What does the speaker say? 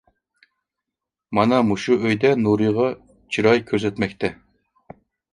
مانا مۇشۇ ئۆيدە نۇرىغا چىراي كۆرسەتمەكتە.